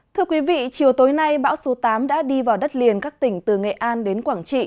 thưa quý vị chiều tối nay bão số tám đã đi vào đất liền các tỉnh từ nghệ an đến quảng trị